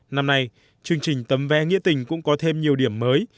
năm nay chương trình tấm vé nghĩa tình cũng có thêm nhiều điểm mới